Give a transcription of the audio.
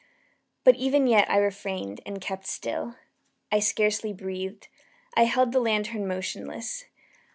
But even yet I refrained and kept still. I scarcely breathed. I held the lantern motionless.